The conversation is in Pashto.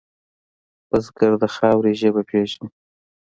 بزګر د خاورې ژبه پېژني